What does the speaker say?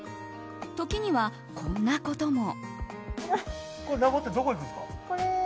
時には、こんなことも。